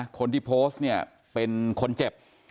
คนที่โพสต์เนี่ยเป็นคนเจ็บ